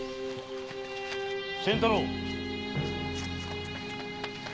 仙太郎！